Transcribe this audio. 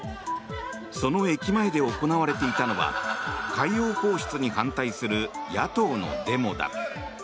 その駅前で行われていたのは海洋放出に反対する野党のデモだ。